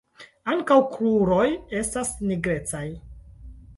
Ankaŭ kruroj estas nigrecaj.